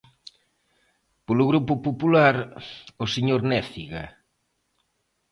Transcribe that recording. Polo Grupo Popular, o señor Néciga.